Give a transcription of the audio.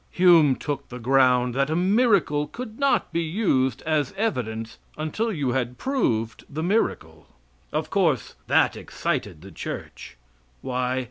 Hume took the ground that a miracle could not be used as evidence until you had proved the miracle. Of course that excited the church. Why?